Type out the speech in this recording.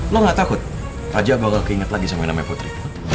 lo gak takut raja bakal keinget lagi sama yang namanya putri